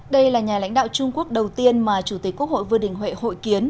đây là nhà lãnh đạo trung quốc đầu tiên mà chủ tịch quốc hội vương đình huệ hội kiến